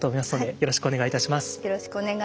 よろしくお願いします。